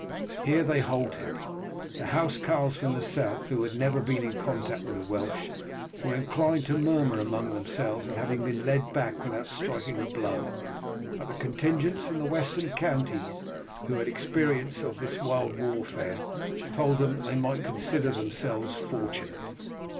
Here they halted. The housecarls from the south, who had never been in contact with the Welsh, were inclined to murmur among themselves at having been led back without striking a blow, but the contingents from the western counties, who had had experience of this wild warfare, told them that they might consider themselves fortunate.